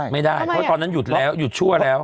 ไม่ได้เพราะตอนนั้นหยุดแล้วหยุดชั่วแล้ว